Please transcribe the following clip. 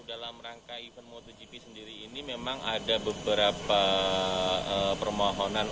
dalam rangka event motogp sendiri ini memang ada beberapa permohonan